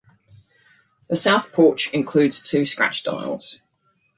The south porch includes two scratch dials.